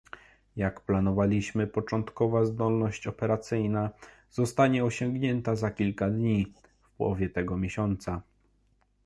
Jak planowaliśmy, początkowa zdolność operacyjna zostanie osiągnięta za kilka dni, w połowie tego miesiąca